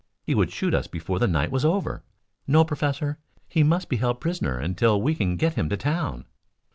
He would shoot us before the night was over. No, Professor, he must be held prisoner until we can get him to town."